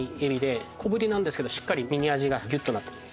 小ぶりなんですけどしっかり身に味がギュッとなってます。